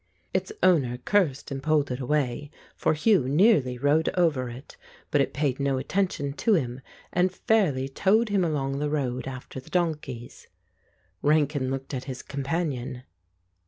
Its owner cursed and pulled it away, for i95 The Ape Hugh nearly rode over it, but it paid no attention to him, and fairly towed him along the road after the donkeys. Rankin looked at his companion.